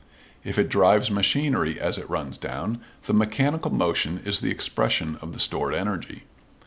If it drives machinery as it runs down, the mechanical motion is the expression of the stored energy.